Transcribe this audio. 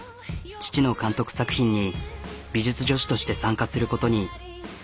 父の監督作品に美術助手として参加することに。